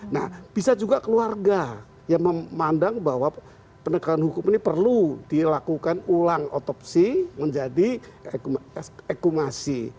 nah bisa juga keluarga yang memandang bahwa penegakan hukum ini perlu dilakukan ulang otopsi menjadi ekumasi